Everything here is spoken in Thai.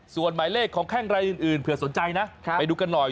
ส่วนหมายเลขของแคลงว่านี้เพื่อสนใจนะไปดูกันหน่อย